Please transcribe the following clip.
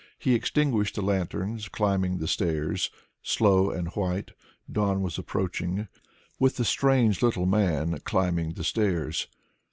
He extinguished the lanterns, climbing the stairs. Slow and white, dawn was approaching. With the strange little man climbing the stairs.